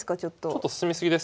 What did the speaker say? ちょっと進み過ぎですかね。